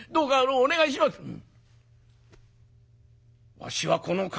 「わしはこの金」。